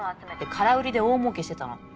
空売りで大儲けしてたの。